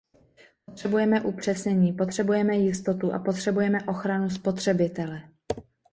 Potřebujeme upřesnění, potřebujeme jistotu a potřebujeme ochranu spotřebitele.